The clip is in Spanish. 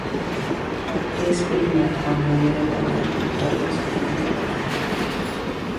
Es primo Juan Manuel Galán y Carlos Fernando Galán.